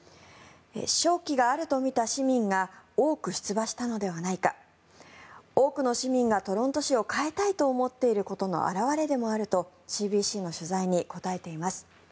勝機があるとみた市民が多く出馬したのではないか多くの市民がトロント市を変えたいと思っていることの表れでもあるとＣＢＣの取材に答えています。